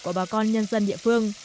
của bà con nhân dân địa phương